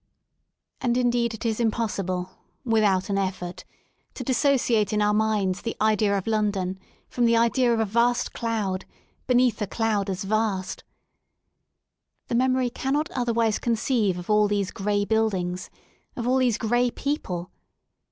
And indeed it is impossible, without an effort, to dissociate in our minds the idea of London from the idea of a vast cloud beneath a cloud as vast. The memory cannot otherwise conceive of alt these gray buildings, of all these gray people.